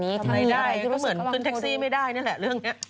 มีอะไรที่รู้สึกก็บังคับดูก็เหมือนขึ้นแท็กซี่ไม่ได้นี่แหละเรื่องนี้